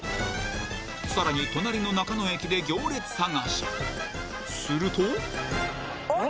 さらに隣の中野駅で行列探しするとあら？